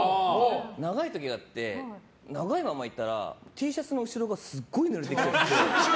長い時だって、長いままいたらＴシャツの後ろがすごい濡れてきちゃって。